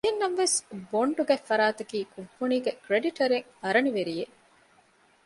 އެހެންނަމަވެސް ބޮންޑު ގަތްފަރާތަކީ ކުންފުނީގެ ކްރެޑިޓަރެއް އަރަނިވެރި އެއް